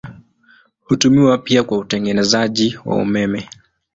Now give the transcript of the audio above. Hutumiwa pia kwa utengenezaji wa umeme.